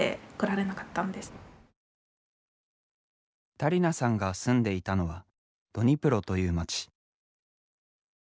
ダリナさんが住んでいたのはドニプロという街。